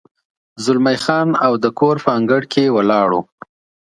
زلمی خان او د کور په انګړ کې ولاړ و.